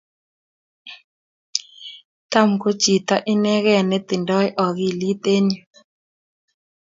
Tom ko chito inegee netindoi akilit eng nyu